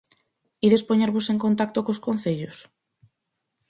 Ides poñervos en contacto cos concellos?